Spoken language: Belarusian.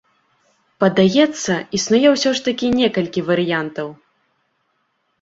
Падаецца, існуе ўсё ж такі некалькі варыянтаў.